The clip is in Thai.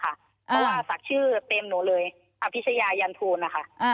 เพราะว่าศักดิ์ชื่อเต็มหนูเลยอภิชยายันทูลนะคะ